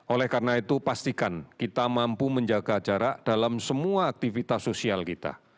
oleh karena itu pastikan kita mampu menjaga jarak dalam semua aktivitas sosial kita